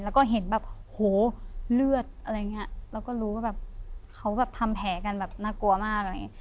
แล้วก็เห็นแบบโหเลือดอะไรอย่างเงี้ยเราก็รู้ว่าแบบเขาแบบทำแผลกันแบบน่ากลัวมากอะไรอย่างเงี้